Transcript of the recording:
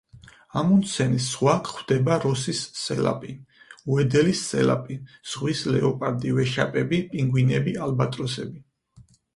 ამუნდსენის ზღვა გვხვდება როსის სელაპი, უედელის სელაპი, ზღვის ლეოპარდი, ვეშაპები, პინგვინები, ალბატროსები.